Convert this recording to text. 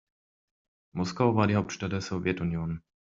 Moskau war die Hauptstadt der Sowjetunion.